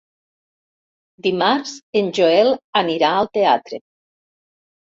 Dimarts en Joel anirà al teatre.